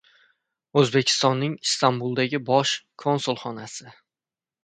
O‘zbekistonning Istanbuldagi Bosh konsulxonasi